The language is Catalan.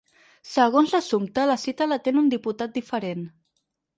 Segons l’assumpte, la cita l’atén un diputat diferent.